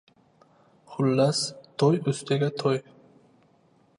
Xullas, to‘y ustiga to‘y!